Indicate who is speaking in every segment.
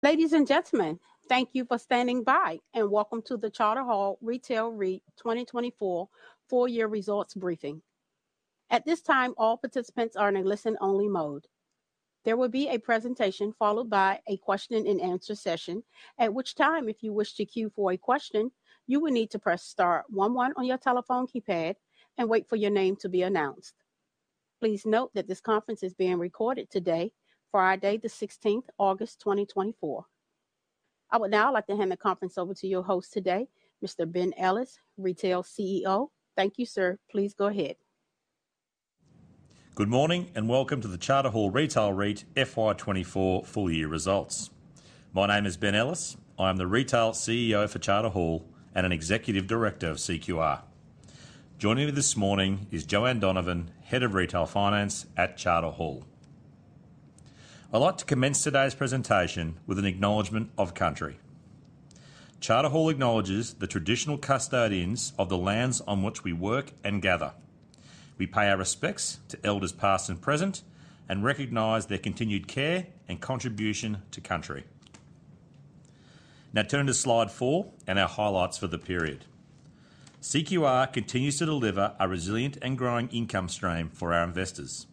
Speaker 1: Ladies and gentlemen, thank you for standing by, and welcome to the Charter Hall Retail REIT 2024 full year results briefing. At this time, all participants are in a listen-only mode. There will be a presentation followed by a question-and-answer session, at which time, if you wish to queue for a question, you will need to press star one one on your telephone keypad and wait for your name to be announced. Please note that this conference is being recorded today, Friday the 16th, August 2024. I would now like to hand the conference over to your host today, Mr. Ben Ellis, Retail CEO. Thank you, sir. Please go ahead.
Speaker 2: Good morning, and welcome to the Charter Hall Retail REIT FY 2024 full year results. My name is Ben Ellis. I am the Retail CEO for Charter Hall and an Executive Director of CQR. Joining me this morning is Joanne Donovan, Head of Retail Finance at Charter Hall. I'd like to commence today's presentation with an acknowledgment of country. Charter Hall acknowledges the traditional custodians of the lands on which we work and gather. We pay our respects to elders, past and present, and recognize their continued care and contribution to country. Now turn to slide 4 and our highlights for the period. CQR continues to deliver a resilient and growing income stream for our investors.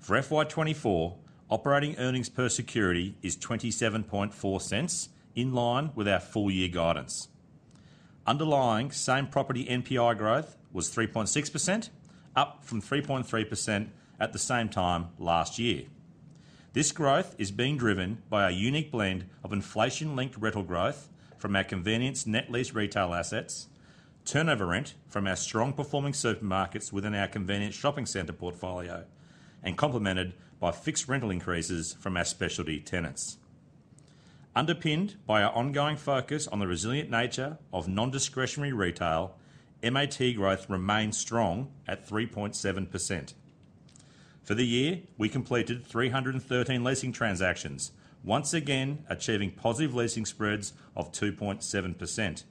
Speaker 2: For FY 2024, operating earnings per security is 0.274, in line with our full-year guidance. Underlying same property NPI growth was 3.6%, up from 3.3% at the same time last year. This growth is being driven by our unique blend of inflation-linked rental growth from our convenience net lease retail assets, turnover rent from our strong-performing supermarkets within our convenience shopping center portfolio, and complemented by fixed rental increases from our specialty tenants. Underpinned by our ongoing focus on the resilient nature of non-discretionary retail, MAT growth remains strong at 3.7%. For the year, we completed 313 leasing transactions, once again achieving positive leasing spreads of 2.7%.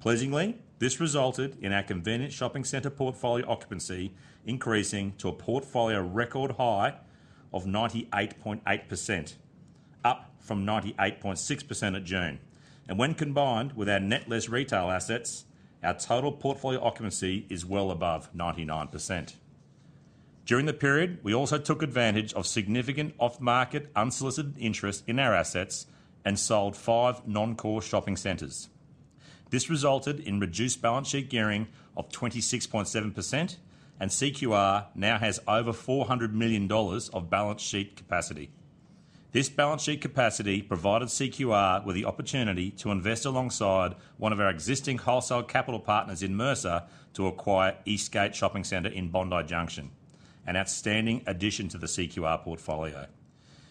Speaker 2: Pleasingly, this resulted in our convenience shopping center portfolio occupancy increasing to a portfolio record high of 98.8%, up from 98.6% at June. When combined with our net lease retail assets, our total portfolio occupancy is well above 99%. During the period, we also took advantage of significant off-market, unsolicited interest in our assets and sold five non-core shopping centers. This resulted in reduced balance sheet gearing of 26.7%, and CQR now has over 400 million dollars of balance sheet capacity. This balance sheet capacity provided CQR with the opportunity to invest alongside one of our existing wholesale capital partners in Mercer to acquire Eastgate Shopping Center in Bondi Junction, an outstanding addition to the CQR portfolio.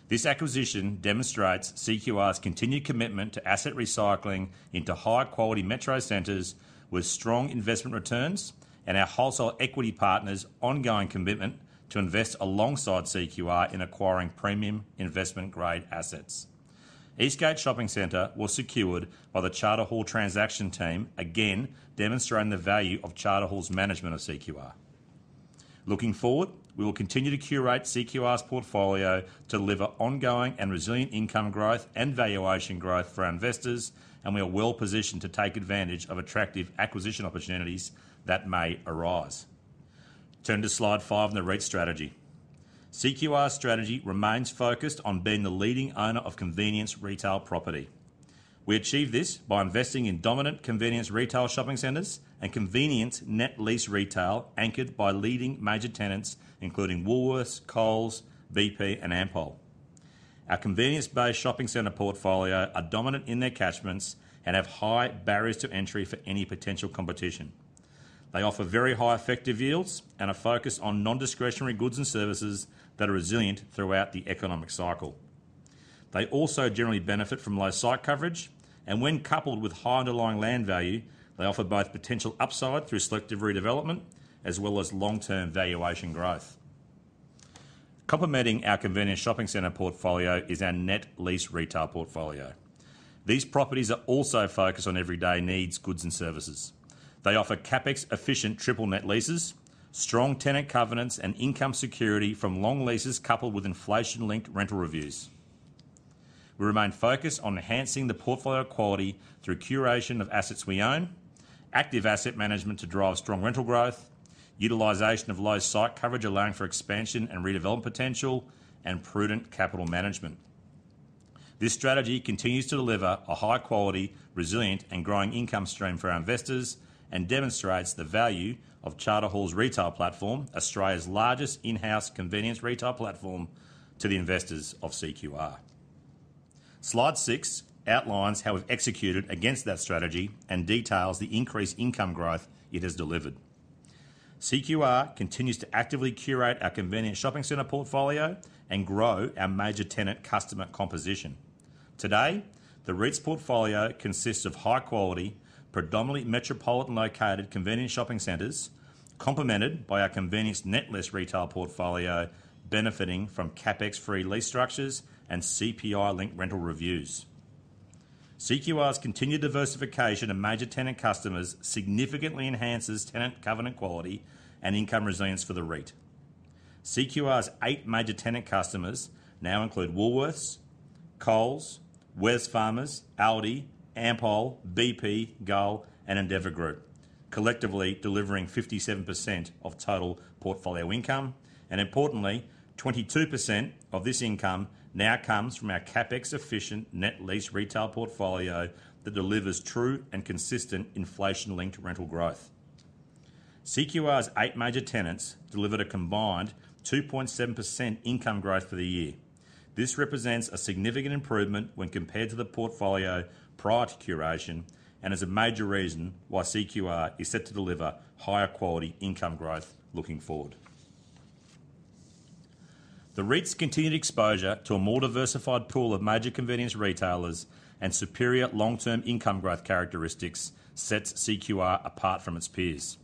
Speaker 2: This acquisition demonstrates CQR's continued commitment to asset recycling into high-quality metro centers with strong investment returns and our wholesale equity partners' ongoing commitment to invest alongside CQR in acquiring premium investment-grade assets. Eastgate Shopping Center was secured by the Charter Hall transaction team, again demonstrating the value of Charter Hall's management of CQR. Looking forward, we will continue to curate CQR's portfolio to deliver ongoing and resilient income growth and valuation growth for our investors, and we are well-positioned to take advantage of attractive acquisition opportunities that may arise. Turn to slide five in the REIT strategy. CQR's strategy remains focused on being the leading owner of convenience retail property. We achieve this by investing in dominant convenience retail shopping centers and convenience net lease retail, anchored by leading major tenants including Woolworths, Coles, BP, and Ampol. Our convenience-based shopping center portfolio are dominant in their catchments and have high barriers to entry for any potential competition. They offer very high effective yields and a focus on non-discretionary goods and services that are resilient throughout the economic cycle. They also generally benefit from low site coverage, and when coupled with high underlying land value, they offer both potential upside through selective redevelopment as well as long-term valuation growth. Complementing our convenience shopping center portfolio is our net lease retail portfolio. These properties are also focused on everyday needs, goods, and services. They offer CapEx-efficient triple net leases, strong tenant covenants, and income security from long leases coupled with inflation-linked rental reviews. We remain focused on enhancing the portfolio quality through curation of assets we own, active asset management to drive strong rental growth, utilization of low site coverage, allowing for expansion and redevelopment potential, and prudent capital management. This strategy continues to deliver a high-quality, resilient, and growing income stream for our investors and demonstrates the value of Charter Hall's retail platform, Australia's largest in-house convenience retail platform, to the investors of CQR. Slide 6 outlines how we've executed against that strategy and details the increased income growth it has delivered. CQR continues to actively curate our convenience shopping center portfolio and grow our major tenant customer composition. Today, the REIT's portfolio consists of high-quality, predominantly metropolitan-located convenience shopping centers, complemented by our convenience net lease retail portfolio, benefiting from CapEx-free lease structures and CPI-linked rental reviews. CQR's continued diversification of major tenant customers significantly enhances tenant covenant quality and income resilience for the REIT. CQR's eight major tenant customers now include Woolworths, Coles, Wesfarmers, Aldi, Ampol, BP, Gull, and Endeavour Group, collectively delivering 57% of total portfolio income, and importantly, 22% of this income now comes from our CapEx-efficient net lease retail portfolio that delivers true and consistent inflation-linked rental growth. CQR's eight major tenants delivered a combined 2.7% income growth for the year. This represents a significant improvement when compared to the portfolio prior to curation, and is a major reason why CQR is set to deliver higher quality income growth looking forward. The REIT's continued exposure to a more diversified pool of major convenience retailers and superior long-term income growth characteristics sets CQR apart from its peers.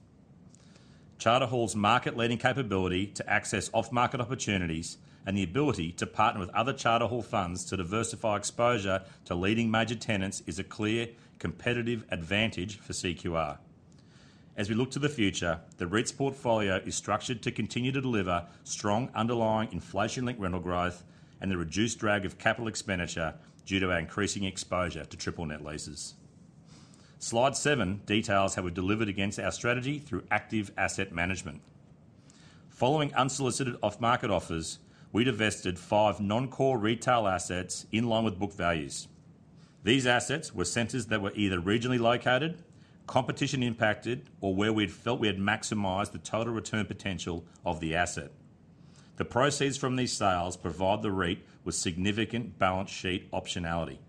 Speaker 2: Charter Hall's market-leading capability to access off-market opportunities and the ability to partner with other Charter Hall funds to diversify exposure to leading major tenants is a clear competitive advantage for CQR. As we look to the future, the REIT's portfolio is structured to continue to deliver strong underlying inflation-linked rental growth and the reduced drag of capital expenditure due to our increasing exposure to triple net leases. Slide seven details how we delivered against our strategy through active asset management. Following unsolicited off-market offers, we divested five non-core retail assets in line with book values. These assets were centers that were either regionally located, competition impacted, or where we had felt we had maximized the total return potential of the asset. The proceeds from these sales provide the REIT with significant balance sheet optionality.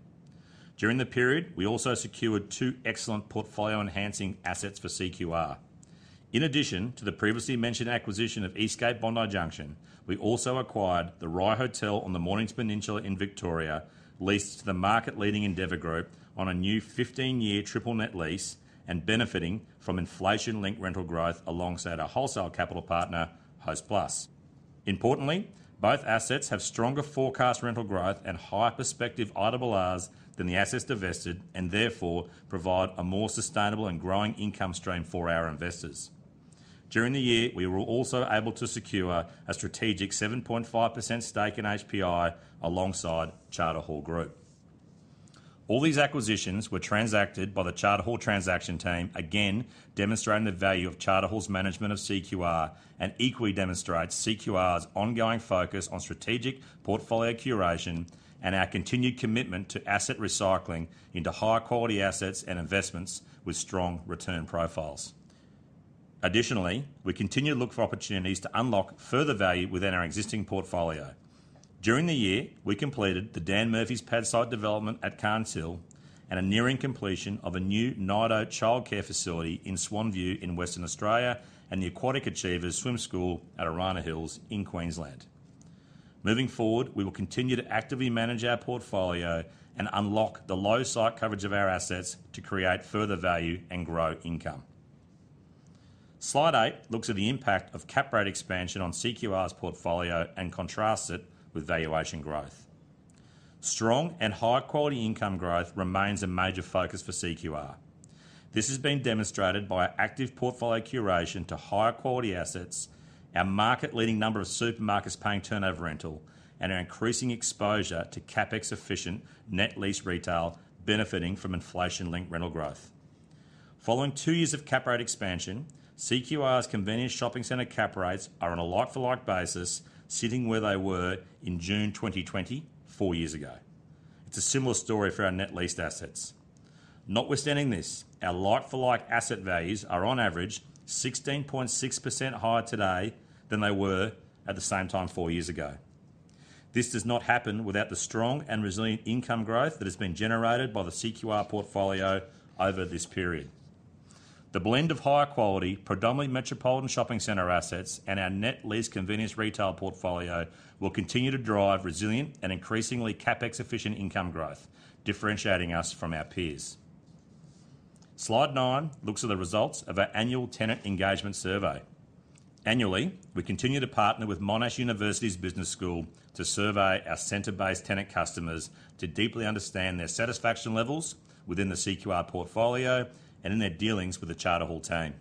Speaker 2: During the period, we also secured two excellent portfolio-enhancing assets for CQR. In addition to the previously mentioned acquisition of Eastgate Bondi Junction, we also acquired the Rye Hotel on the Mornington Peninsula in Victoria, leased to the market-leading Endeavour Group on a new 15-year triple net lease and benefiting from inflation-linked rental growth alongside our wholesale capital partner, Hostplus. Importantly, both assets have stronger forecast rental growth and higher prospective IBLRs than the assets divested, and therefore provide a more sustainable and growing income stream for our investors. During the year, we were also able to secure a strategic 7.5% stake in HPI alongside Charter Hall Group. All these acquisitions were transacted by the Charter Hall transaction team, again, demonstrating the value of Charter Hall's management of CQR and equally demonstrates CQR's ongoing focus on strategic portfolio curation and our continued commitment to asset recycling into high-quality assets and investments with strong return profiles. Additionally, we continue to look for opportunities to unlock further value within our existing portfolio. During the year, we completed the Dan Murphy's pad site development at Carnes Hill and are nearing completion of a new Nido childcare facility in Swan View in Western Australia and the Aquatic Achievers Swim School at Arana Hills in Queensland. Moving forward, we will continue to actively manage our portfolio and unlock the low site coverage of our assets to create further value and grow income. Slide 8 looks at the impact of cap rate expansion on CQR's portfolio and contrasts it with valuation growth. Strong and high-quality income growth remains a major focus for CQR. This has been demonstrated by our active portfolio curation to higher quality assets, our market-leading number of supermarkets paying turnover rental, and our increasing exposure to CapEx-efficient net lease retail benefiting from inflation-linked rental growth. Following 2 years of cap rate expansion, CQR's convenience shopping center cap rates are on a like-for-like basis, sitting where they were in June 2020, 4 years ago. It's a similar story for our net leased assets. Notwithstanding this, our like-for-like asset values are, on average, 16.6% higher today than they were at the same time four years ago. This does not happen without the strong and resilient income growth that has been generated by the CQR portfolio over this period. The blend of high quality, predominantly metropolitan shopping center assets and our net lease convenience retail portfolio will continue to drive resilient and increasingly CapEx-efficient income growth, differentiating us from our peers. Slide 9 looks at the results of our annual tenant engagement survey. Annually, we continue to partner with Monash University's Business School to survey our center-based tenant customers to deeply understand their satisfaction levels within the CQR portfolio and in their dealings with the Charter Hall team.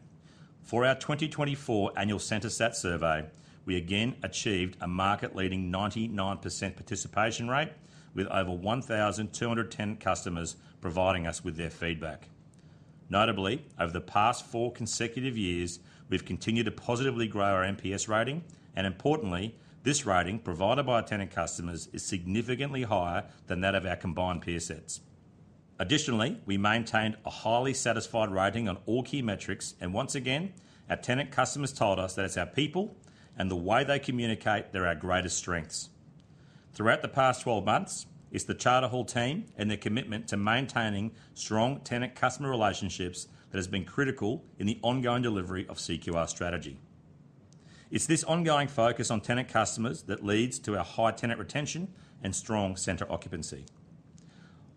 Speaker 2: For our 2024 annual CentreSAT survey, we again achieved a market-leading 99% participation rate, with over 1,210 customers providing us with their feedback. Notably, over the past 4 consecutive years, we've continued to positively grow our NPS rating, and importantly, this rating, provided by our tenant customers, is significantly higher than that of our combined peer sets. Additionally, we maintained a highly satisfied rating on all key metrics, and once again, our tenant customers told us that it's our people and the way they communicate that are our greatest strengths. Throughout the past 12 months, it's the Charter Hall team and their commitment to maintaining strong tenant customer relationships that has been critical in the ongoing delivery of CQR strategy. It's this ongoing focus on tenant customers that leads to our high tenant retention and strong center occupancy.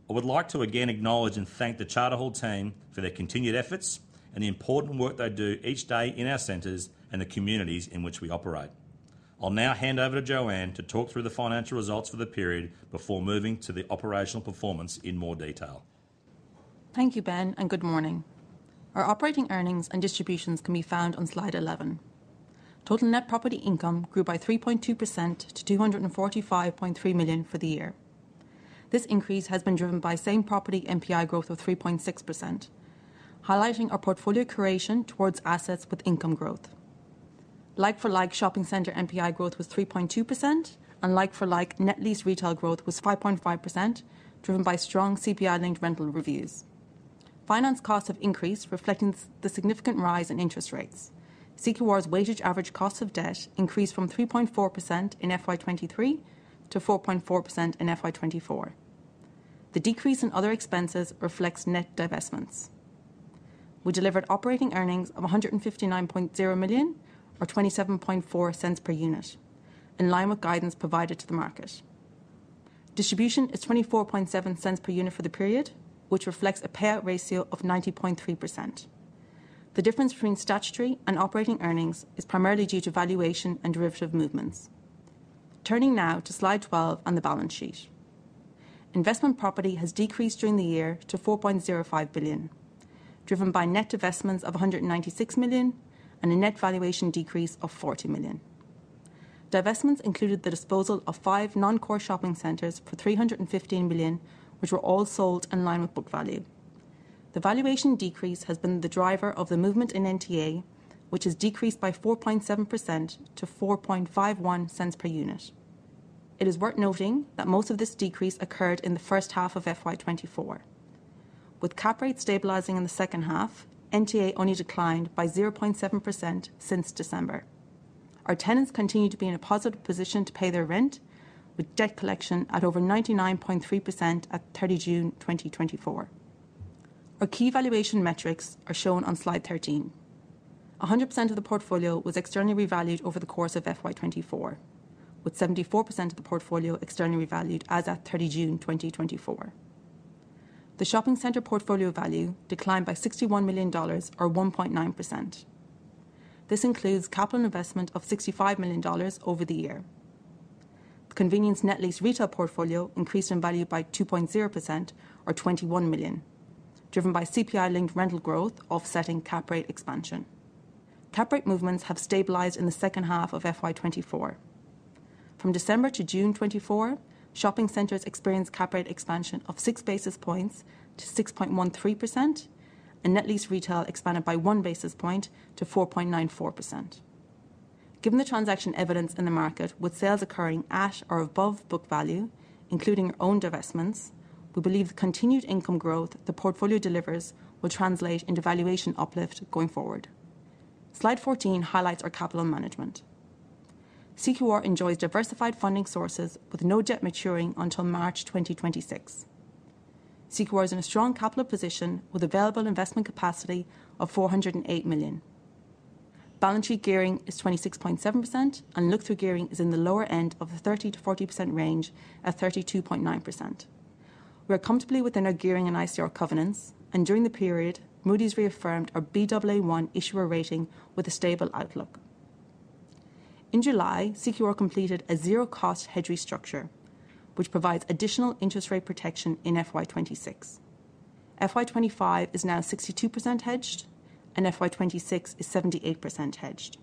Speaker 2: I would like to again acknowledge and thank the Charter Hall team for their continued efforts and the important work they do each day in our centers and the communities in which we operate. I'll now hand over to Joanne to talk through the financial results for the period before moving to the operational performance in more detail.
Speaker 3: Thank you, Ben, and good morning. Our operating earnings and distributions can be found on slide 11. Total net property income grew by 3.2% to 245.3 million for the year. This increase has been driven by same property NPI growth of 3.6%, highlighting our portfolio curation towards assets with income growth. Like-for-like shopping center NPI growth was 3.2%, and like-for-like net lease retail growth was 5.5%, driven by strong CPI-linked rental reviews. Finance costs have increased, reflecting the significant rise in interest rates. CQR's weighted average cost of debt increased from 3.4% in FY 2023 to 4.4% in FY 2024. The decrease in other expenses reflects net divestments. We delivered operating earnings of 159.0 million, or 0.274 per unit, in line with guidance provided to the market. Distribution is 0.247 per unit for the period, which reflects a payout ratio of 90.3%. The difference between statutory and operating earnings is primarily due to valuation and derivative movements. Turning now to slide 12 and the balance sheet. Investment property has decreased during the year to 4.05 billion, driven by net divestments of 196 million and a net valuation decrease of 40 million. Divestments included the disposal of 5 non-core shopping centers for 315 million, which were all sold in line with book value. The valuation decrease has been the driver of the movement in NTA, which has decreased by 4.7% to 4.51 cents per unit. It is worth noting that most of this decrease occurred in the first half of FY 2024. With cap rates stabilizing in the second half, NTA only declined by 0.7% since December. Our tenants continue to be in a positive position to pay their rent, with debt collection at over 99.3% at 30 June 2024. Our key valuation metrics are shown on Slide 13. 100% of the portfolio was externally revalued over the course of FY 2024, with 74% of the portfolio externally revalued as at 30 June 2024. The shopping center portfolio value declined by 61 million dollars, or 1.9%. This includes capital investment of 65 million dollars over the year. The convenience net lease retail portfolio increased in value by 2.0%, or 21 million, driven by CPI-linked rental growth offsetting cap rate expansion. Cap rate movements have stabilized in the second half of FY 2024. From December to June 2024, shopping centers experienced cap rate expansion of 6 basis points to 6.13%, and net lease retail expanded by 1 basis point to 4.94%. Given the transaction evidence in the market, with sales occurring at or above book value, including our own divestments, we believe the continued income growth the portfolio delivers will translate into valuation uplift going forward. Slide 14 highlights our capital management. CQR enjoys diversified funding sources with no debt maturing until March 2026. CQR is in a strong capital position with available investment capacity of 408 million. Balance sheet gearing is 26.7%, and look-through gearing is in the lower end of the 30%-40% range at 32.9%. We are comfortably within our gearing and ICR covenants, and during the period, Moody's reaffirmed our Baa1 issuer rating with a stable outlook. In July, CQR completed a zero-cost hedge restructure, which provides additional interest rate protection in FY 2026. FY 2025 is now 62% hedged, and FY 2026 is 78% hedged.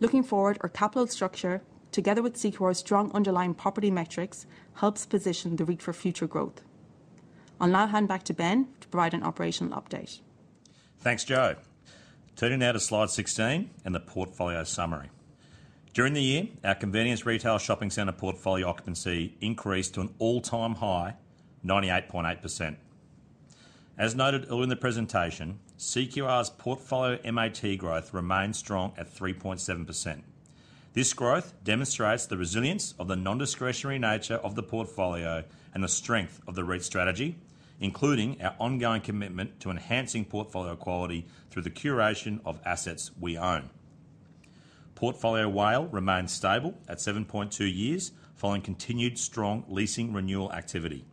Speaker 3: Looking forward, our capital structure, together with CQR's strong underlying property metrics, helps position the REIT for future growth. I'll now hand back to Ben to provide an operational update.
Speaker 2: Thanks, Jo. Turning now to slide 16 and the portfolio summary. During the year, our convenience retail shopping center portfolio occupancy increased to an all-time high, 98.8%. As noted earlier in the presentation, CQR's portfolio MAT growth remains strong at 3.7%. This growth demonstrates the resilience of the non-discretionary nature of the portfolio and the strength of the REIT strategy, including our ongoing commitment to enhancing portfolio quality through the curation of assets we own. Portfolio WALE remains stable at 7.2 years, following continued strong leasing renewal activity.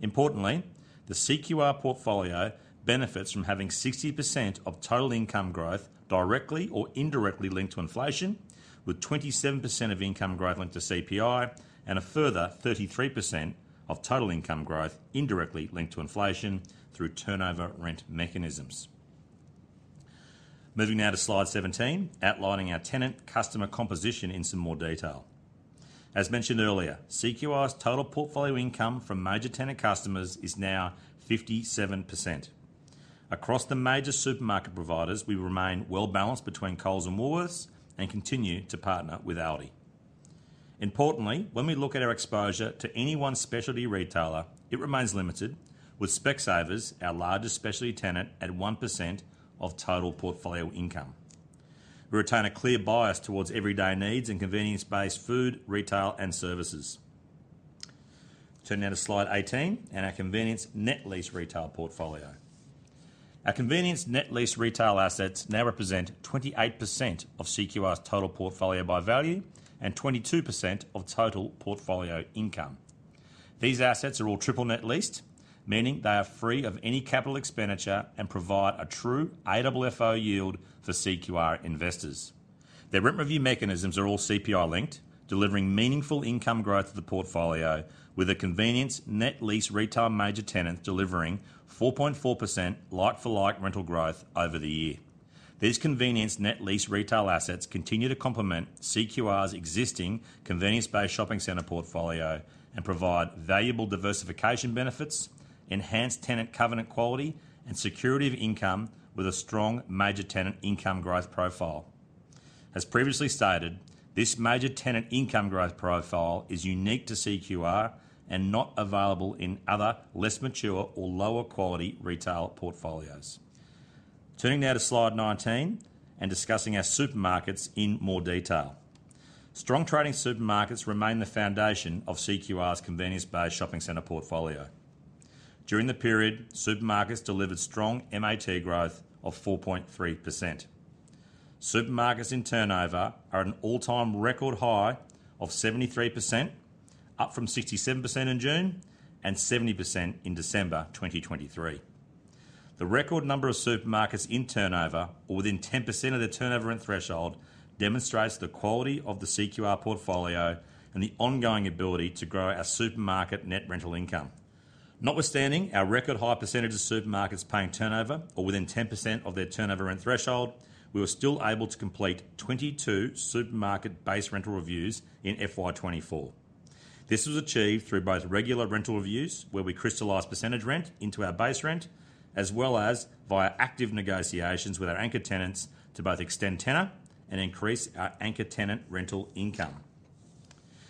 Speaker 2: Importantly, the CQR portfolio benefits from having 60% of total income growth directly or indirectly linked to inflation, with 27% of income growth linked to CPI and a further 33% of total income growth indirectly linked to inflation through turnover rent mechanisms. Moving now to Slide 17, outlining our tenant customer composition in some more detail. As mentioned earlier, CQR's total portfolio income from major tenant customers is now 57%. Across the major supermarket providers, we remain well-balanced between Coles and Woolworths and continue to partner with Aldi. Importantly, when we look at our exposure to any one specialty retailer, it remains limited, with Specsavers, our largest specialty tenant, at 1% of total portfolio income. We retain a clear bias towards everyday needs and convenience-based food, retail, and services. Turning now to Slide 18 and our convenience net lease retail portfolio. Our convenience net lease retail assets now represent 28% of CQR's total portfolio by value and 22% of total portfolio income. These assets are all triple net leased, meaning they are free of any capital expenditure and provide a true AFFO yield for CQR investors. Their rent review mechanisms are all CPI-linked, delivering meaningful income growth to the portfolio, with a convenience net lease retail major tenant delivering 4.4% like-for-like rental growth over the year. These convenience net lease retail assets continue to complement CQR's existing convenience-based shopping center portfolio and provide valuable diversification benefits, enhanced tenant covenant quality, and security of income, with a strong major tenant income growth profile. As previously stated, this major tenant income growth profile is unique to CQR and not available in other less mature or lower quality retail portfolios. Turning now to Slide 19 and discussing our supermarkets in more detail. Strong trading supermarkets remain the foundation of CQR's convenience-based shopping center portfolio. During the period, supermarkets delivered strong MAT growth of 4.3%. Supermarkets in turnover are at an all-time record high of 73%, up from 67% in June and 70% in December 2023. The record number of supermarkets in turnover or within 10% of the turnover and threshold demonstrates the quality of the CQR portfolio and the ongoing ability to grow our supermarket net rental income. Notwithstanding our record high percentage of supermarkets paying turnover or within 10% of their turnover and threshold, we were still able to complete 22 supermarket base rental reviews in FY 2024. This was achieved through both regular rental reviews, where we crystallize percentage rent into our base rent, as well as via active negotiations with our anchor tenants to both extend tenor and increase our anchor tenant rental income.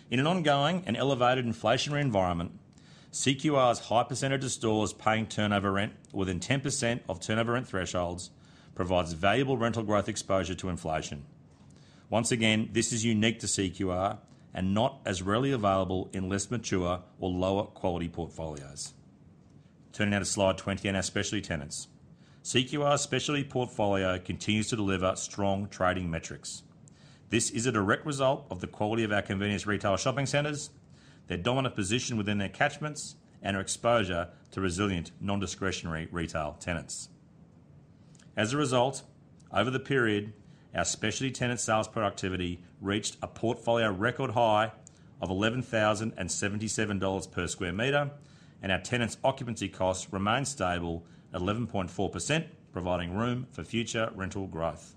Speaker 2: In an ongoing and elevated inflationary environment, CQR's high percentage of stores paying turnover rent within 10% of turnover rent thresholds provides valuable rental growth exposure to inflation. Once again, this is unique to CQR and not as readily available in less mature or lower quality portfolios. Turning now to Slide 20 and our specialty tenants. CQR's specialty portfolio continues to deliver strong trading metrics. This is a direct result of the quality of our convenience retail shopping centers, their dominant position within their catchments, and our exposure to resilient, non-discretionary retail tenants. As a result, over the period, our specialty tenant sales productivity reached a portfolio record high of 11,077 dollars per square meter, and our tenants' occupancy costs remained stable at 11.4%, providing room for future rental growth.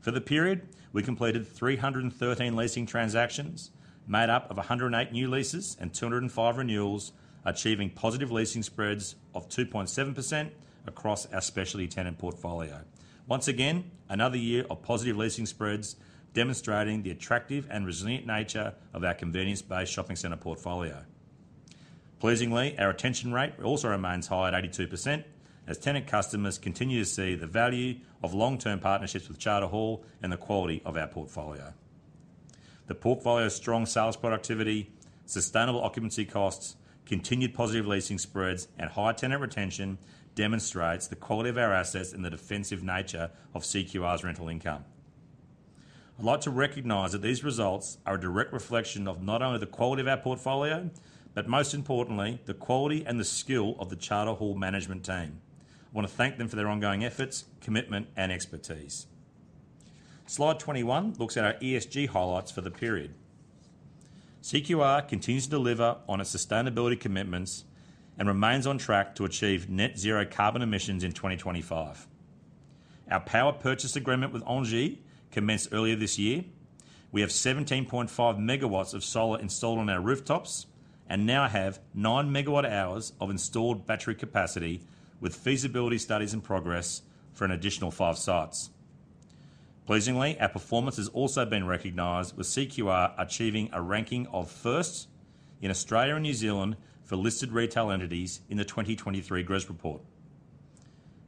Speaker 2: For the period, we completed 313 leasing transactions, made up of 108 new leases and 205 renewals, achieving positive leasing spreads of 2.7% across our specialty tenant portfolio. Once again, another year of positive leasing spreads, demonstrating the attractive and resilient nature of our convenience-based shopping center portfolio. Pleasingly, our retention rate also remains high at 82%, as tenant customers continue to see the value of long-term partnerships with Charter Hall and the quality of our portfolio. The portfolio's strong sales productivity, sustainable occupancy costs, continued positive leasing spreads, and high tenant retention demonstrates the quality of our assets and the defensive nature of CQR's rental income. I'd like to recognize that these results are a direct reflection of not only the quality of our portfolio, but most importantly, the quality and the skill of the Charter Hall management team. I want to thank them for their ongoing efforts, commitment, and expertise. Slide 21 looks at our ESG highlights for the period. CQR continues to deliver on its sustainability commitments and remains on track to achieve net zero carbon emissions in 2025. Our power purchase agreement with Engie commenced earlier this year. We have 17.5 MW of solar installed on our rooftops and now have 9 MWh of installed battery capacity, with feasibility studies in progress for an additional 5 sites. Pleasingly, our performance has also been recognized, with CQR achieving a ranking of first in Australia and New Zealand for listed retail entities in the 2023 GRESB report.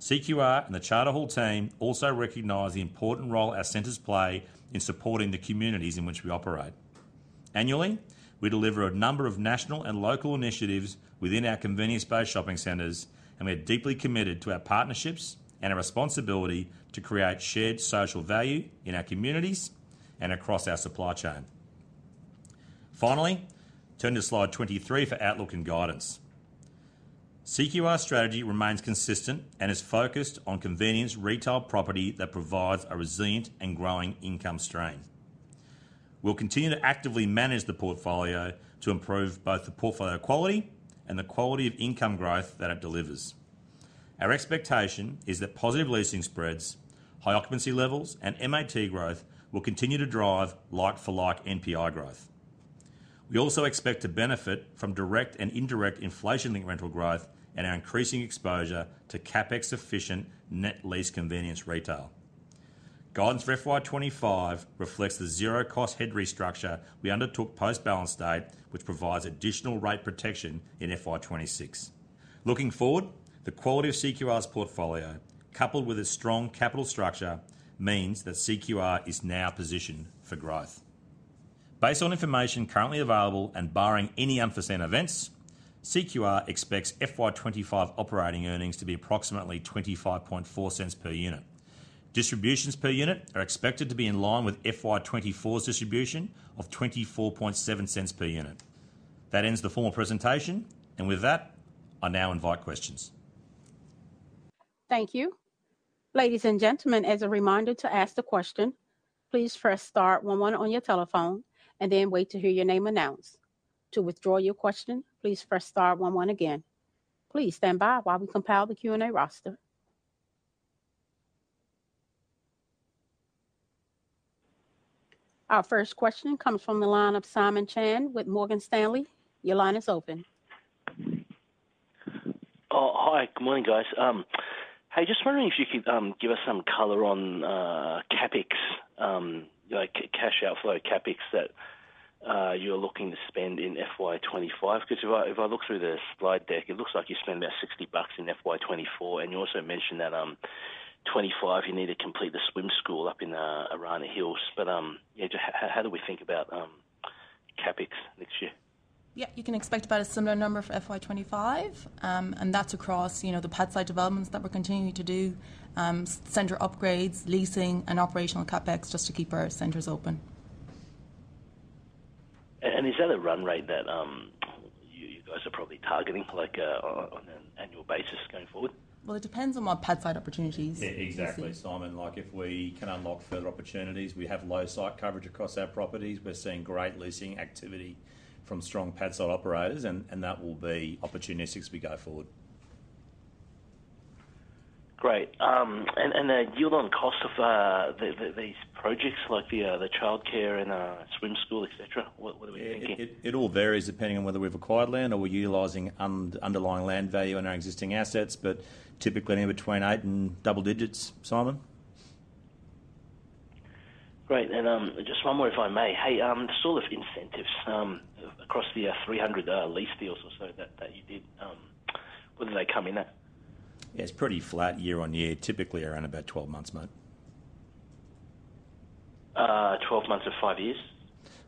Speaker 2: CQR and the Charter Hall team also recognize the important role our centers play in supporting the communities in which we operate. Annually, we deliver a number of national and local initiatives within our convenience-based shopping centers, and we are deeply committed to our partnerships and our responsibility to create shared social value in our communities and across our supply chain. Finally, turn to Slide 23 for outlook and guidance. CQR's strategy remains consistent and is focused on convenience retail property that provides a resilient and growing income stream. We'll continue to actively manage the portfolio to improve both the portfolio quality and the quality of income growth that it delivers. Our expectation is that positive leasing spreads, high occupancy levels, and MAT growth will continue to drive like-for-like NPI growth. We also expect to benefit from direct and indirect inflation-linked rental growth and our increasing exposure to CapEx-efficient net lease convenience retail. Guidance for FY 2025 reflects the zero cost head restructure we undertook post-balance date, which provides additional rate protection in FY 2026. Looking forward, the quality of CQR's portfolio, coupled with a strong capital structure, means that CQR is now positioned for growth. Based on information currently available and barring any unforeseen events, CQR expects FY 2025 operating earnings to be approximately 0.254 per unit. Distributions per unit are expected to be in line with FY 2024's distribution of 0.247 per unit. That ends the formal presentation, and with that, I now invite questions.
Speaker 1: Thank you. Ladies and gentlemen, as a reminder to ask the question, please press star one one on your telephone and then wait to hear your name announced. To withdraw your question, please press star one one again. Please stand by while we compile the Q&A roster. Our first question comes from the line of Simon Chan with Morgan Stanley. Your line is open.
Speaker 4: Oh, hi. Good morning, guys. Hey, just wondering if you could give us some color on CapEx, like cash outflow CapEx that you're looking to spend in FY 2025. 'Cause if I look through the slide deck, it looks like you spend about 60 bucks in FY 2024, and you also mentioned that 2025, you need to complete the swim school up in Arana Hills. But yeah, how do we think about CapEx next year?
Speaker 3: Yeah, you can expect about a similar number for FY 2025. And that's across, you know, the pad site developments that we're continuing to do, center upgrades, leasing and operational CapEx, just to keep our centers open.
Speaker 4: Is that a run rate that you guys are probably targeting, like, on an annual basis going forward?
Speaker 3: Well, it depends on what pad site opportunities we see.
Speaker 2: Yeah, exactly, Simon. Like, if we can unlock further opportunities, we have low site coverage across our properties. We're seeing great leasing activity from strong pad site operators, and, and that will be opportunistic as we go forward.
Speaker 4: Great. And the yield on cost of these projects, like the childcare and swim school, et cetera, what are we thinking?
Speaker 2: Yeah, it all varies depending on whether we've acquired land or we're utilizing underlying land value on our existing assets, but typically anywhere between 8 and double digits, Simon.
Speaker 4: Great, and just one more, if I may. Hey, sort of incentives across the 300 lease deals or so that you did, where do they come in at?
Speaker 2: Yeah, it's pretty flat year-over-year, typically around about 12 months, mate.
Speaker 4: 12 months or 5 years?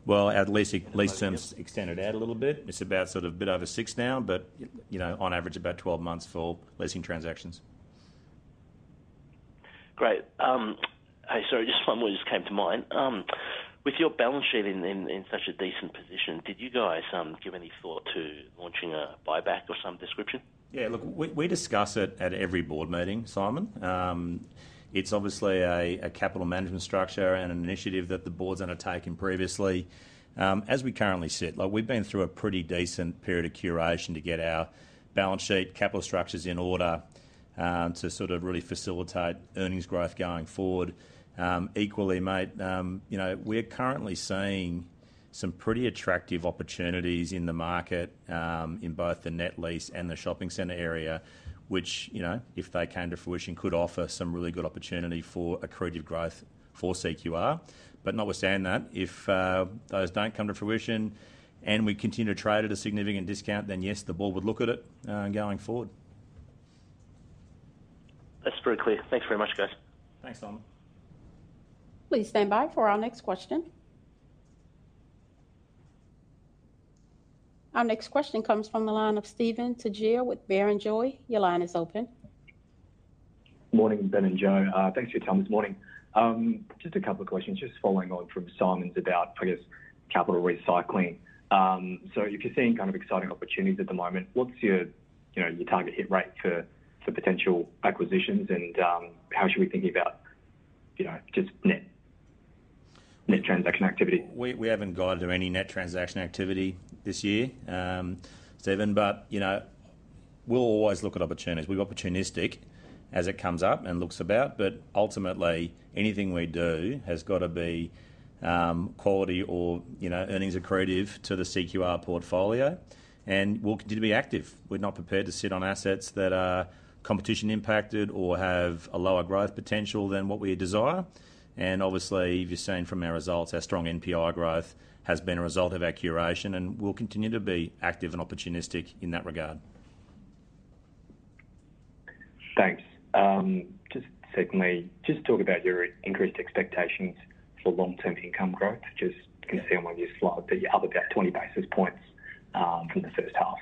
Speaker 2: Well, at least, lease terms-
Speaker 3: Extended out a little bit.
Speaker 2: It's about sort of a bit over 6 now, but, you know, on average, about 12 months for leasing transactions.
Speaker 4: Great. Hey, sorry, just one more just came to mind. With your balance sheet in such a decent position, did you guys give any thought to launching a buyback of some description?
Speaker 2: Yeah, look, we discuss it at every board meeting, Simon. It's obviously a capital management structure and an initiative that the board's undertaken previously. As we currently sit, like, we've been through a pretty decent period of curation to get our balance sheet capital structures in order, to sort of really facilitate earnings growth going forward. Equally, mate, you know, we're currently seeing some pretty attractive opportunities in the market, in both the net lease and the shopping center area, which, you know, if they came to fruition, could offer some really good opportunity for accretive growth for CQR. But notwithstanding that, if those don't come to fruition and we continue to trade at a significant discount, then yes, the board would look at it, going forward.
Speaker 4: That's very clear. Thanks very much, guys.
Speaker 2: Thanks, Simon.
Speaker 1: Please stand by for our next question. Our next question comes from the line of Stephen Tjer with Barrenjoey. Your line is open.
Speaker 5: Morning, Ben and Joe. Thanks for your time this morning. Just a couple of questions, just following on from Simon's about, I guess, capital recycling. So if you're seeing kind of exciting opportunities at the moment, what's your, you know, your target hit rate for, for potential acquisitions and, how should we be thinking about, you know, just net, net transaction activity?
Speaker 2: We haven't guided to any net transaction activity this year, Steven, but, you know, we'll always look at opportunities. We're opportunistic as it comes up and looks about, but ultimately, anything we do has got to be, quality or, you know, earnings accretive to the CQR portfolio, and we'll continue to be active. We're not prepared to sit on assets that are competition impacted or have a lower growth potential than what we desire. And obviously, you've seen from our results, our strong NPI growth has been a result of our curation, and we'll continue to be active and opportunistic in that regard.
Speaker 5: Thanks. Just secondly, just talk about your increased expectations for long-term income growth. Just can see on one of your slides that you're up about 20 basis points, from the first half.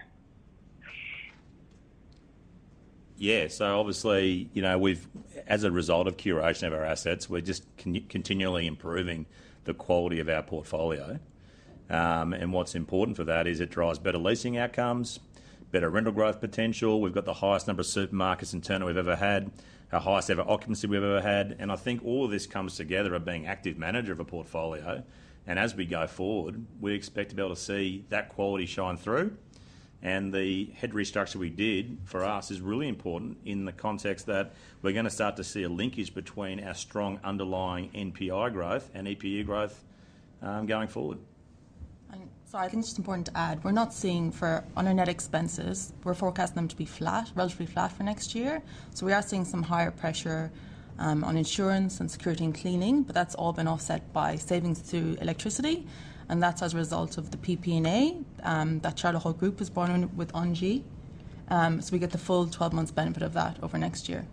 Speaker 2: Yeah, so obviously, you know, we've as a result of curation of our assets, we're just continually improving the quality of our portfolio. And what's important for that is it drives better leasing outcomes, better rental growth potential. We've got the highest number of supermarkets in turn we've ever had, our highest ever occupancy we've ever had, and I think all of this comes together of being active manager of a portfolio. And as we go forward, we expect to be able to see that quality shine through. And the debt restructure we did, for us, is really important in the context that we're gonna start to see a linkage between our strong underlying NPI growth and EPU growth, going forward.
Speaker 3: And sorry, I think it's just important to add, we're not seeing on our net expenses, we're forecasting them to be flat, relatively flat for next year. So we are seeing some higher pressure on insurance and security and cleaning, but that's all been offset by savings through electricity, and that's as a result of the PPA that Charter Hall Group was brought on with Engie. So we get the full 12 months benefit of that over next year.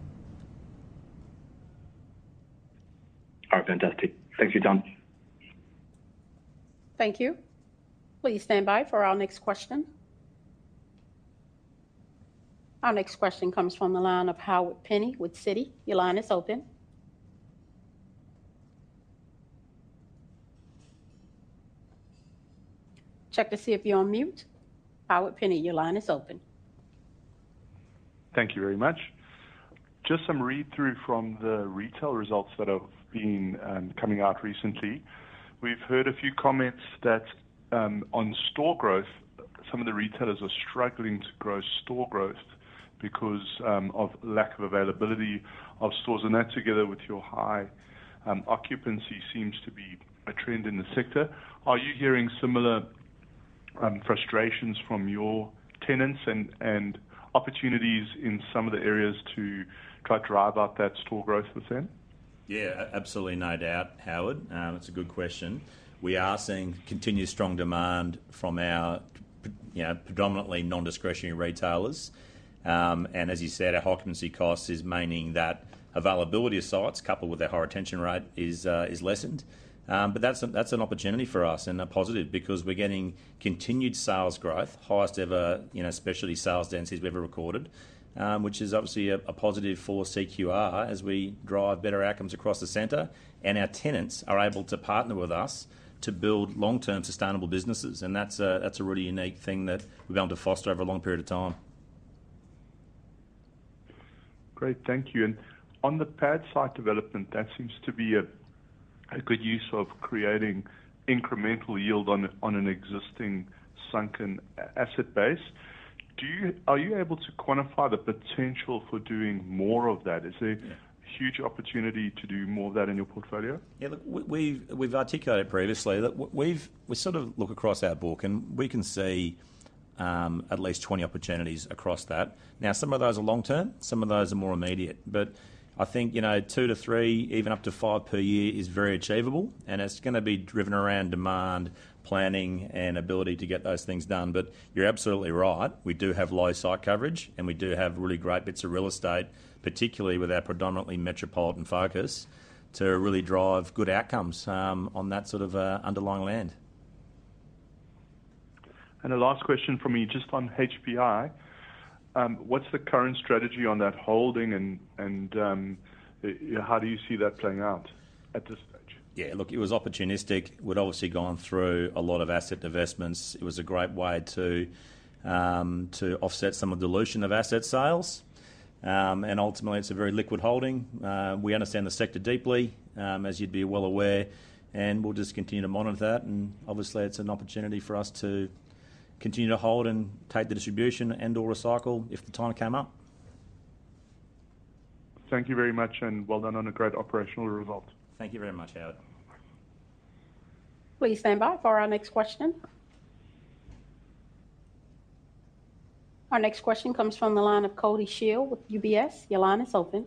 Speaker 5: All right, fantastic. Thank you, gentlemen.
Speaker 1: Thank you. Please stand by for our next question.... Our next question comes from the line of Howard Penny with Citi. Your line is open. Check to see if you're on mute. Howard Penny, your line is open.
Speaker 6: Thank you very much. Just some read-through from the retail results that have been coming out recently. We've heard a few comments that on store growth, some of the retailers are struggling to grow store growth because of lack of availability of stores, and that together with your high occupancy seems to be a trend in the sector. Are you hearing similar frustrations from your tenants and and opportunities in some of the areas to try to drive up that store growth percent?
Speaker 2: Yeah, absolutely, no doubt, Howard. That's a good question. We are seeing continued strong demand from our you know, predominantly non-discretionary retailers. And as you said, our occupancy cost is meaning that availability of sites, coupled with our higher retention rate, is lessened. But that's, that's an opportunity for us and a positive, because we're getting continued sales growth, highest ever, you know, specialty sales densities we've ever recorded, which is obviously a positive for CQR as we drive better outcomes across the center. And our tenants are able to partner with us to build long-term sustainable businesses, and that's a really unique thing that we're going to foster over a long period of time.
Speaker 6: Great. Thank you. On the pad site development, that seems to be a good use of creating incremental yield on an existing sunken asset base. Are you able to quantify the potential for doing more of that?
Speaker 2: Yeah.
Speaker 6: Is there a huge opportunity to do more of that in your portfolio?
Speaker 2: Yeah, look, we've articulated previously that we've sort of look across our book, and we can see at least 20 opportunities across that. Now, some of those are long term, some of those are more immediate, but I think, you know, 2-3, even up to 5 per year is very achievable, and it's gonna be driven around demand, planning, and ability to get those things done. But you're absolutely right, we do have low site coverage, and we do have really great bits of real estate, particularly with our predominantly metropolitan focus, to really drive good outcomes on that sort of underlying land.
Speaker 6: A last question from me, just on HPI. What's the current strategy on that holding, and how do you see that playing out at this stage?
Speaker 2: Yeah, look, it was opportunistic. We'd obviously gone through a lot of asset divestments. It was a great way to offset some of the dilution of asset sales. And ultimately, it's a very liquid holding. We understand the sector deeply, as you'd be well aware, and we'll just continue to monitor that. And obviously, it's an opportunity for us to continue to hold and take the distribution and/or recycle if the time came up.
Speaker 6: Thank you very much, and well done on a great operational result.
Speaker 2: Thank you very much, Howard.
Speaker 1: Please stand by for our next question. Our next question comes from the line of Cody Sheil with UBS. Your line is open.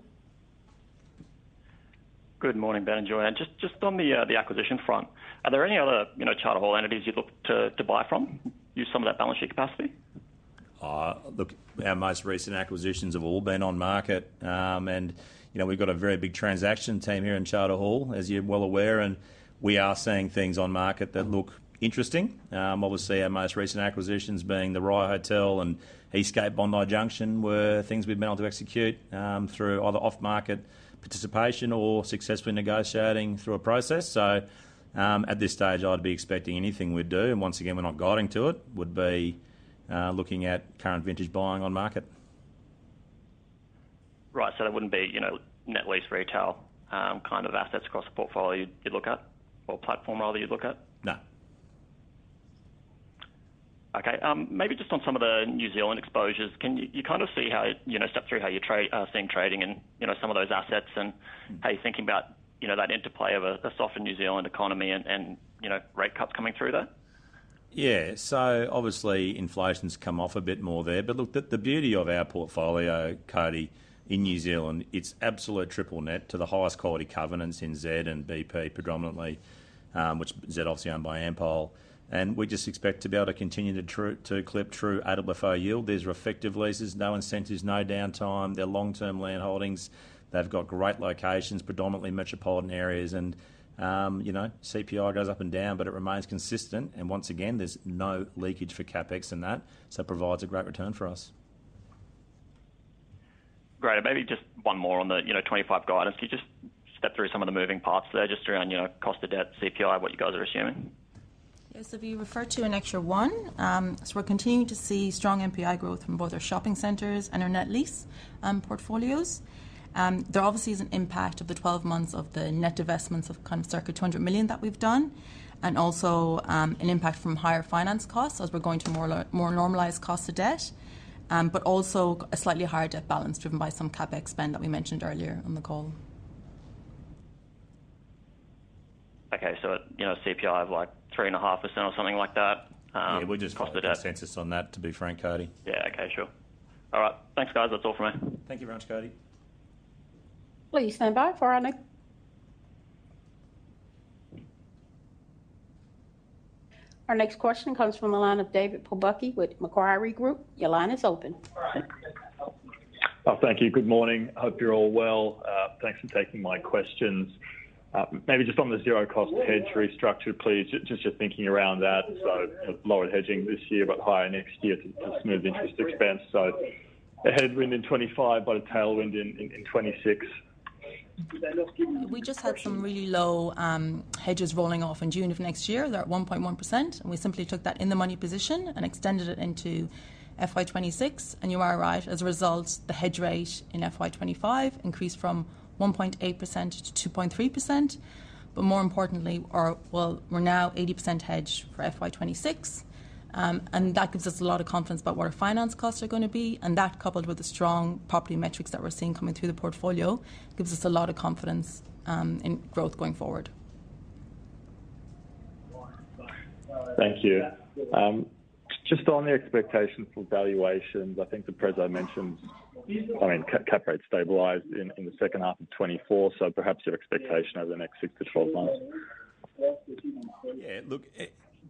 Speaker 7: Good morning, Ben and Joanne. Just on the acquisition front, are there any other, you know, Charter Hall entities you'd look to, to buy from, use some of that balance sheet capacity?
Speaker 2: Look, our most recent acquisitions have all been on market. And, you know, we've got a very big transaction team here in Charter Hall, as you're well aware, and we are seeing things on market that look interesting. Obviously, our most recent acquisitions being the Rye Hotel and Eastgate Bondi Junction, were things we've been able to execute, through either off-market participation or successfully negotiating through a process. At this stage, I'd be expecting anything we'd do, and once again, we're not guiding to it, would be looking at current vintage buying on market.
Speaker 7: Right. So that wouldn't be, you know, net lease retail, kind of assets across the portfolio you'd look at, or platform rather, you'd look at?
Speaker 2: No.
Speaker 7: Okay, maybe just on some of the New Zealand exposures, can you, you kind of see how, you know, step through how you trade, seeing trading and, you know, some of those assets, and how you're thinking about, you know, that interplay of a softer New Zealand economy and, you know, rate cuts coming through that?
Speaker 2: Yeah. So obviously, inflation's come off a bit more there. But look, the beauty of our portfolio, Cody, in New Zealand, it's absolute triple net to the highest quality covenants in Z and BP predominantly, which Z obviously owned by Ampol, and we just expect to be able to continue to true up to clip through AFFO yield. These are effective leases, no incentives, no downtime, they're long-term land holdings. They've got great locations, predominantly metropolitan areas, and, you know, CPI goes up and down, but it remains consistent. And once again, there's no leakage for CapEx in that, so it provides a great return for us.
Speaker 7: Great. Maybe just one more on the, you know, 25 guidance. Can you just step through some of the moving parts there, just around, you know, cost of debt, CPI, what you guys are assuming?
Speaker 3: Yes, if you refer to in extra one, so we're continuing to see strong NPI growth from both our shopping centers and our net lease portfolios. There obviously is an impact of the 12 months of the net divestments of kind of circa 200 million that we've done, and also, an impact from higher finance costs as we're going to more normalized cost of debt, but also a slightly higher debt balance driven by some CapEx spend that we mentioned earlier on the call.
Speaker 7: Okay. So, you know, CPI of, like, 3.5% or something like that, cost of debt?
Speaker 2: Yeah, we're just consensus on that, to be frank, Cody.
Speaker 7: Yeah. Okay, sure. All right. Thanks, guys. That's all from me.
Speaker 2: Thank you very much, Cody.
Speaker 1: Please stand by for our next... Our next question comes from the line of David Pobucky with Macquarie Group. Your line is open....
Speaker 8: Oh, thank you. Good morning. Hope you're all well. Thanks for taking my questions. Maybe just on the zero cost hedge restructure, please, just your thinking around that. So lower hedging this year, but higher next year to smooth interest expense. So a headwind in 2025, but a tailwind in 2026.
Speaker 9: We just had some really low hedges rolling off in June of next year. They're at 1.1%, and we simply took that in-the-money position and extended it into FY 2026. And you are right, as a result, the hedge rate in FY 2025 increased from 1.8% to 2.3%. But more importantly, well, we're now 80% hedged for FY 2026, and that gives us a lot of confidence about what our finance costs are gonna be. And that, coupled with the strong property metrics that we're seeing coming through the portfolio, gives us a lot of confidence in growth going forward.
Speaker 8: Thank you. Just on the expectations for valuations, I think the president mentioned, I mean, cap rate stabilized in the second half of 2024, so perhaps your expectation over the next 6-12 months?
Speaker 2: Yeah, look,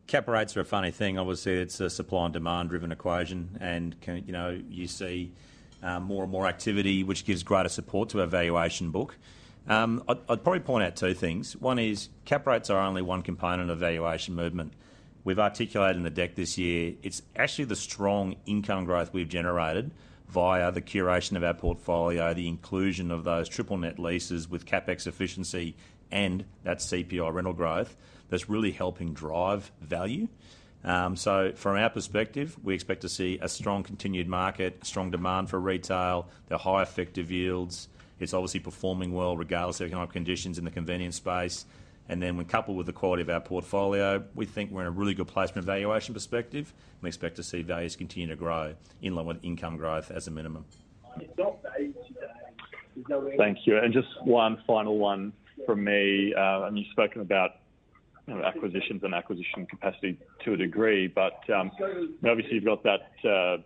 Speaker 2: cap rates are a funny thing. Obviously, it's a supply and demand-driven equation, and can, you know, you see, more and more activity, which gives greater support to our valuation book. I'd probably point out two things. One is cap rates are only one component of valuation movement. We've articulated in the deck this year, it's actually the strong income growth we've generated via the curation of our portfolio, the inclusion of those triple net leases with CapEx efficiency and that CPI rental growth, that's really helping drive value. So from our perspective, we expect to see a strong continued market, strong demand for retail, the high effective yields. It's obviously performing well regardless of economic conditions in the convenience space. And then when coupled with the quality of our portfolio, we think we're in a really good place from a valuation perspective. We expect to see values continue to grow in line with income growth as a minimum.
Speaker 8: Thank you. And just one final one from me. And you've spoken about, you know, acquisitions and acquisition capacity to a degree, but obviously, you've got that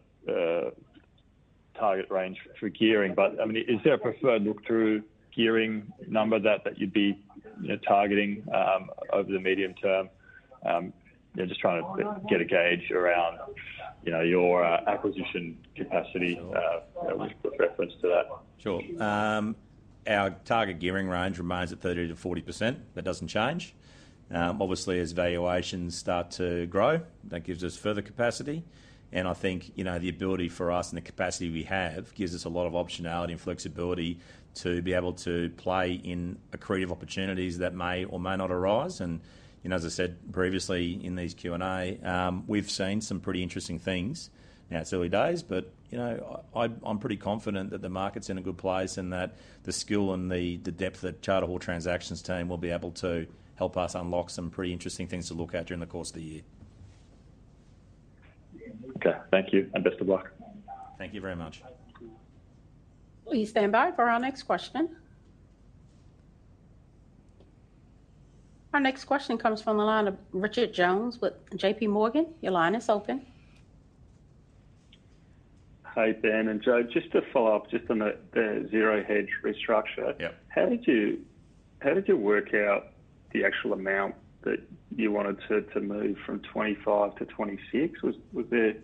Speaker 8: target range for gearing. But, I mean, is there a preferred look-through gearing number that you'd be, you know, targeting over the medium term? Just trying to get a gauge around, you know, your acquisition capacity with reference to that.
Speaker 2: Sure. Our target gearing range remains at 30%-40%. That doesn't change. Obviously, as valuations start to grow, that gives us further capacity. And I think, you know, the ability for us and the capacity we have gives us a lot of optionality and flexibility to be able to play in accretive opportunities that may or may not arise. And, you know, as I said previously in these Q&A, we've seen some pretty interesting things. Now, it's early days, but, you know, I, I'm pretty confident that the market's in a good place and that the skill and the, the depth that Charter Hall transactions team will be able to help us unlock some pretty interesting things to look at during the course of the year.
Speaker 8: Okay, thank you, and best of luck.
Speaker 2: Thank you very much.
Speaker 1: Please stand by for our next question. Our next question comes from the line of Richard Jones with JP Morgan. Your line is open.
Speaker 10: Hi, Ben and Joe. Just to follow up just on the zero hedge restructure-
Speaker 2: Yeah.
Speaker 10: How did you work out the actual amount that you wanted to move from 25 to 26? Was there-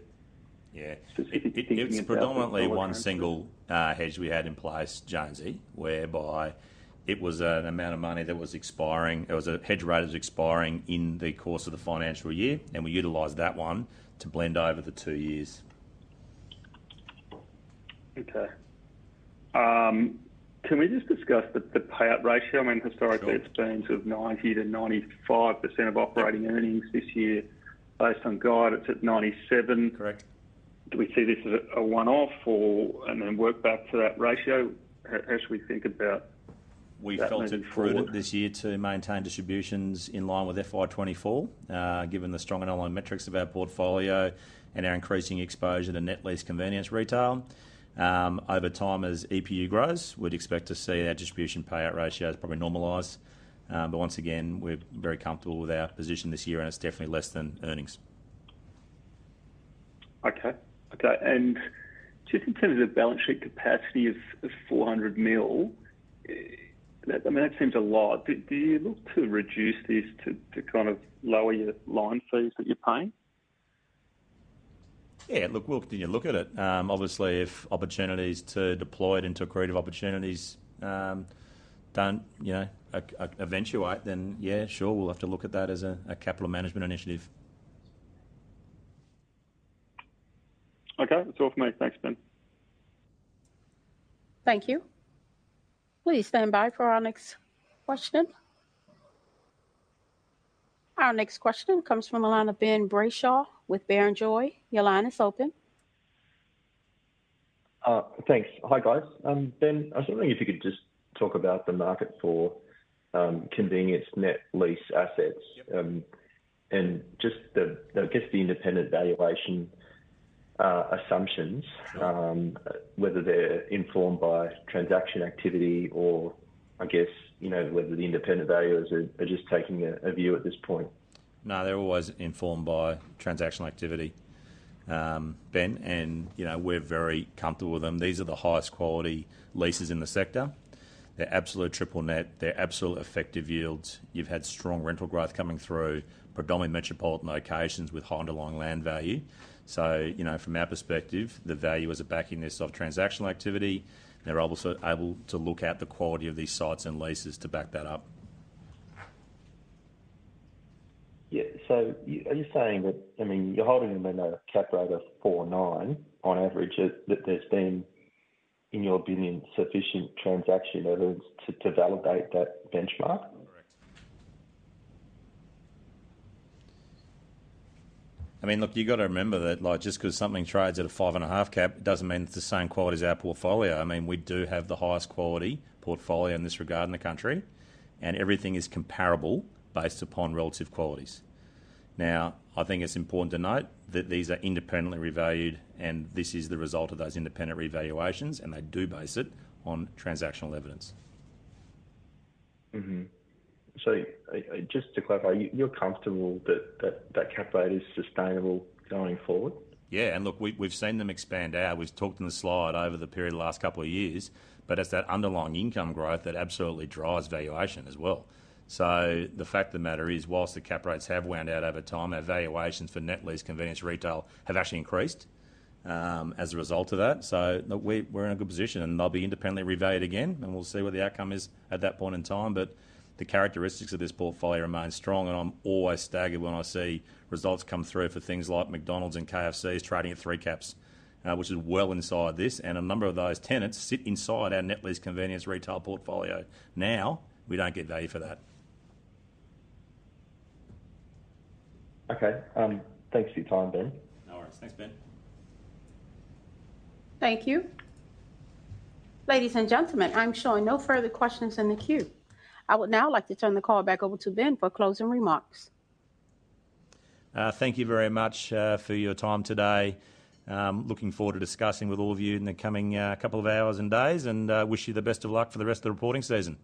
Speaker 2: Yeah.
Speaker 10: Specific thinking about it?
Speaker 2: It's predominantly one single, hedge we had in place, Jonesy, whereby it was an amount of money that was expiring. It was a hedge rate that was expiring in the course of the financial year, and we utilized that one to blend over the two years.
Speaker 10: Okay. Can we just discuss the payout ratio?
Speaker 2: Sure.
Speaker 10: I mean, historically, it's been sort of 90%-95% of operating earnings this year. Based on guide, it's at 97%.
Speaker 2: Correct.
Speaker 10: Do we see this as a one-off or, and then work back to that ratio, as we think about that going forward?
Speaker 2: We felt it prudent this year to maintain distributions in line with FY 24, given the strong underlying metrics of our portfolio and our increasing exposure to net lease convenience retail. Over time, as EPU grows, we'd expect to see our distribution payout ratios probably normalize. But once again, we're very comfortable with our position this year, and it's definitely less than earnings.
Speaker 10: Okay. Okay, and just in terms of the balance sheet capacity of 400 million, I mean, that seems a lot. Do you look to reduce this to kind of lower your line fees that you're paying?
Speaker 2: Yeah, look, we'll look at it. Obviously, if opportunities to deploy it into accretive opportunities don't, you know, eventuate, then yeah, sure, we'll have to look at that as a capital management initiative.
Speaker 10: Okay, that's all for me. Thanks, Ben.
Speaker 1: Thank you. Please stand by for our next question. Our next question comes from the line of Ben Brayshaw with Barrenjoey. Your line is open.
Speaker 9: Thanks. Hi, guys. Ben, I was wondering if you could just talk about the market for convenience net lease assets.
Speaker 2: Yep.
Speaker 9: And just the, I guess, the independent valuation assumptions.
Speaker 2: Sure...
Speaker 9: whether they're informed by transaction activity or I guess, you know, whether the independent valuers are just taking a view at this point.
Speaker 2: No, they're always informed by transactional activity, Ben, and, you know, we're very comfortable with them. These are the highest quality leases in the sector. They're absolute triple net. They're absolute effective yields. You've had strong rental growth coming through, predominantly metropolitan locations with high underlying land value. So, you know, from our perspective, the value as a backing this of transactional activity, they're also able to look at the quality of these sites and leases to back that up. ...
Speaker 9: Yeah, so are you saying that, I mean, you're holding them in a cap rate of 4.9 on average, that, that there's been, in your opinion, sufficient transaction evidence to, to validate that benchmark?
Speaker 2: Correct. I mean, look, you've got to remember that, like, just because something trades at a 5.5 cap doesn't mean it's the same quality as our portfolio. I mean, we do have the highest quality portfolio in this regard in the country, and everything is comparable based upon relative qualities. Now, I think it's important to note that these are independently revalued, and this is the result of those independent revaluations, and they do base it on transactional evidence.
Speaker 9: Mm-hmm. So, just to clarify, you, you're comfortable that cap rate is sustainable going forward?
Speaker 2: Yeah, and look, we've seen them expand out. We've talked in the slide over the period of the last couple of years, but it's that underlying income growth that absolutely drives valuation as well. So the fact of the matter is, whilst the cap rates have wound out over time, our valuations for net lease convenience retail have actually increased as a result of that. So we're in a good position, and they'll be independently revalued again, and we'll see what the outcome is at that point in time. But the characteristics of this portfolio remain strong, and I'm always staggered when I see results come through for things like McDonald's and KFC's trading at three caps, which is well inside this, and a number of those tenants sit inside our net lease convenience retail portfolio. Now, we don't get value for that.
Speaker 9: Okay, thanks for your time, Ben.
Speaker 2: No worries. Thanks, Ben.
Speaker 1: Thank you. Ladies and gentlemen, I'm showing no further questions in the queue. I would now like to turn the call back over to Ben for closing remarks.
Speaker 2: Thank you very much for your time today. Looking forward to discussing with all of you in the coming couple of hours and days, and wish you the best of luck for the rest of the reporting season.